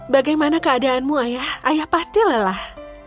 bagaimana keadaanmu ayah ayah pasti lelah